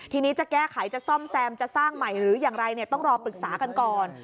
ทีนี้จะแก้ไขจะซ่อมแซมจะสร้างใหม่หรืออย่างไรต้องรอปรึกษากันก่อน